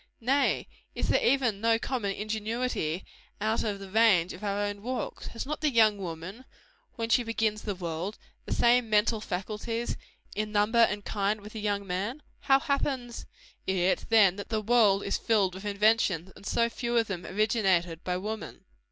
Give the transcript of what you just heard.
Nay, is there even no common ingenuity out of the range of our own walks? Has not the young woman, when she begins the world, the same mental faculties, in number and kind, with the young man? How happens it, then, that the world is filled with inventions, and so few of them originated by woman?